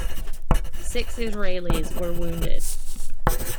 Six Israelis were wounded.